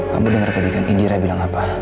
kamu dengar tadi kan indira bilang apa